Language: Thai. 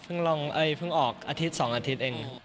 เพิ่งออกอาทิตย์๒อาทิตย์เอง